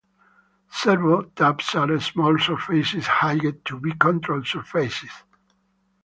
Servo tabs are small surfaces hinged to the control surfaces.